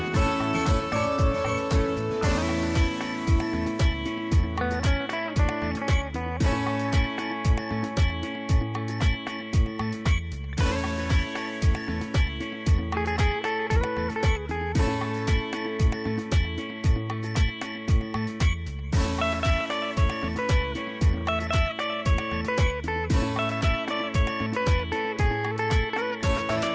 โปรดติดตามตอนต่อไป